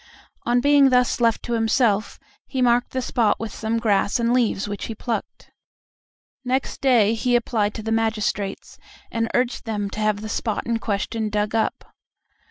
On being thus left to himself, he marked the spot with some grass and leaves which he plucked. Next day he applied to the magistrates, and urged them to have the spot in question dug up.